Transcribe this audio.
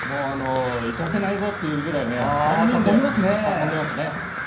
行かせないぞという感じで３人で囲んでいますね。